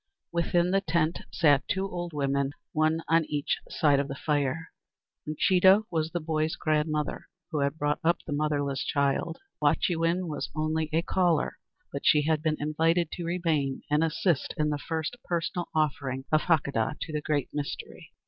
Within the tent sat two old women, one on each side of the fire. Uncheedah was the boy's grandmother, who had brought up the motherless child. Wahchewin was only a caller, but she had been invited to remain and assist in the first personal offering of Hakadah to the "Great Mystery."